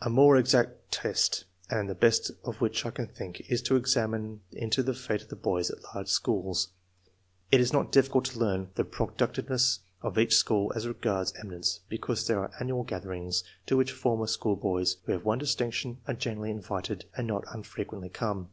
A more exact test, and the best of which I can think, is to examine into the fate of the boys at large schools. It is not difficult to learn the productiveness of each school as regards eminence, because there are annual gatherings, to which former school boys who have won distinction are generally invited and not unfrequently come.